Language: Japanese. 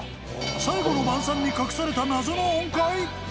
最後の晩餐に隠された謎の音階？